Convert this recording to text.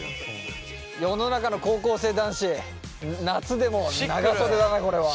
世の中の高校生男子夏でも長袖だなこれは。